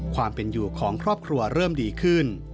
ความเป็นอยู่ของครอบครัวเริ่มดีขึ้น